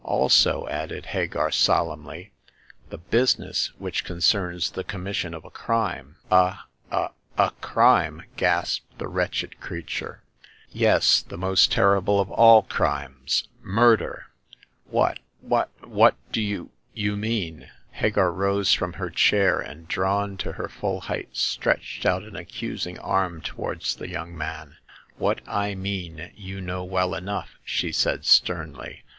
" Also," added Hagar, solemnly, " the business which concerns the commission of a crime." The Second Customer. 79 " A — a— a crime !'* gasped the wretched crea ture. " Yes — the most terrible of all crimes— murder !"" What — ^what — ^what do you — ^you mean ?" Hagar rose from her chair, and, drawn to her full height, stretched out an accusing arm towards the young man. "What I mean you know well enough !" she said, sternly.